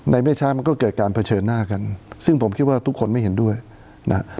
ไม่ช้ามันก็เกิดการเผชิญหน้ากันซึ่งผมคิดว่าทุกคนไม่เห็นด้วยนะฮะ